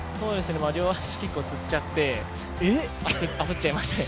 両足結構つっちゃって、焦っちゃいましたね。